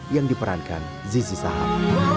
yang diperankan zizi sahab